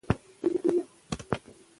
د زده کړې په پروسه کې مورنۍ ژبه مرسته کوي.